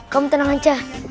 kamu tenang aja